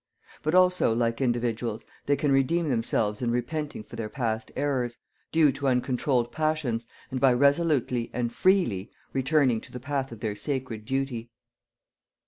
But, also like individuals, they can redeem themselves in repenting for their past errors, due to uncontrolled passions, and by resolutely and "FREELY" returning to the path of their sacred duty.